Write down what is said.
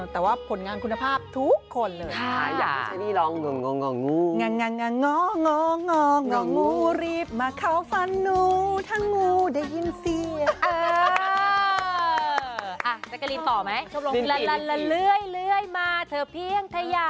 แต่ว่าผลงานคุณภาพทุกคนเลย